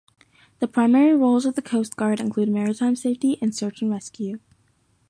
The primary roles of the Coast Guard include maritime safety and search and rescue.